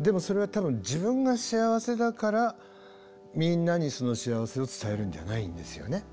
でもそれは多分自分が幸せだからみんなにその幸せを伝えるんではないんですよね。